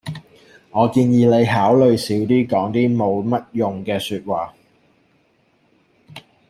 我建議你考慮少啲講啲冇乜用嘅說話